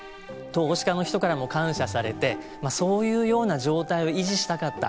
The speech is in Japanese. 投資家の人からも感謝されてそういうような状態を維持したかった。